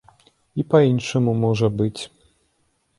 І па-іншаму можа быць.